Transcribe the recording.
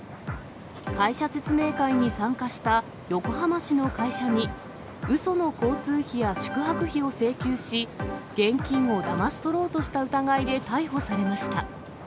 会社説明会に参加した横浜市の会社にうその交通費や宿泊費を請求し、現金をだまし取ろうとした疑いで逮捕されました。